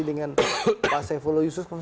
dengan pak saifullah yusuf